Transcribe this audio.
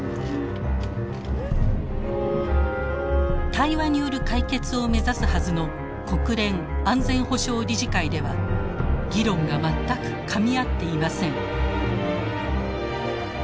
対話による解決を目指すはずの国連安全保障理事会では議論が全くかみ合っていません。